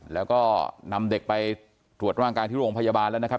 แล้วก็นำเด็กไปตรวจร่างกายที่โรงพยาบาลแล้วนะครับ